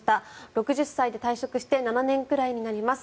６０歳で退職して７年くらいになります。